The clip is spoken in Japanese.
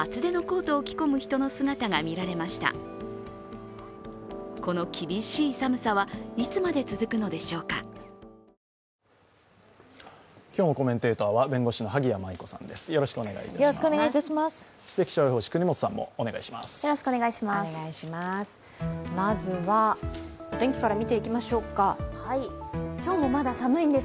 そして気象予報士・國本さんもお願いします。